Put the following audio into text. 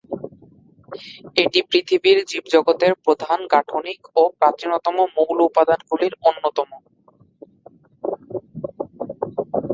এটি পৃথিবীর জীবজগতের প্রধান গাঠনিক ও প্রাচীনতম মৌল উপাদানগুলির অন্যতম।